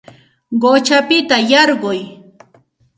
Quchapita yarquy